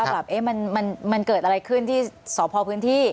หรือว่ามันเกิดอะไรขึ้นที่สอบพอพื้นที่